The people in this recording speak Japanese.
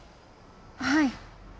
はい。